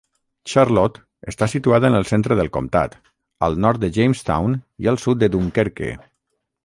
Charlotte està situada en el centre del comtat, al nord de Jamestown i al sud de Dunkerque.